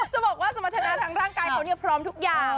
จะบอกว่าสมรรถนาทางร่างกายเขาพร้อมทุกอย่าง